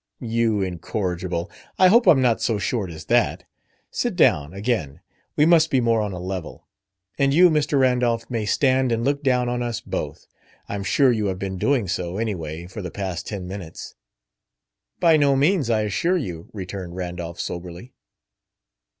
"You incorrigible! I hope I'm not so short as that! Sit down, again; we must be more on a level. And you, Mr. Randolph, may stand and look down on us both. I'm sure you have been doing so, anyway, for the past ten minutes!" "By no means, I assure you," returned Randolph soberly.